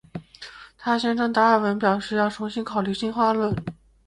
她宣称达尔文表示要重新考虑进化论。